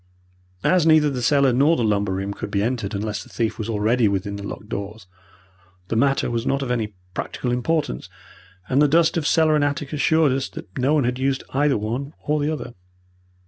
As neither the cellar nor the lumber room could be entered unless the thief was already within the locked doors, the matter was not of any practical importance, and the dust of cellar and attic assured us that no one had used either one or the other.